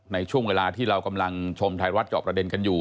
ในช่วงเวลาที่เรากำลังชมไทยรัฐจอบประเด็นกันอยู่